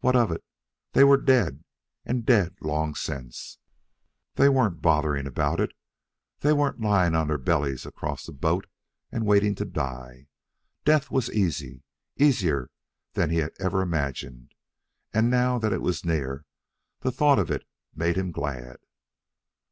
What of it? They were dead, and dead long since. They weren't bothering about it. They weren't lying on their bellies across a boat and waiting to die. Death was easy easier than he had ever imagined; and, now that it was near, the thought of it made him glad.